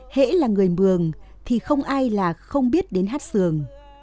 hễ là người mường thì không ai là không biết đến hát giường